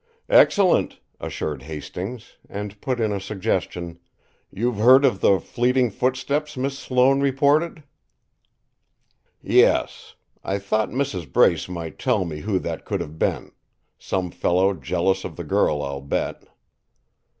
"Excellent," assured Hastings, and put in a suggestion: "You've heard of the fleeting footsteps Miss Sloane reported?" "Yes. I thought Mrs. Brace might tell me who that could have been some fellow jealous of the girl, I'll bet."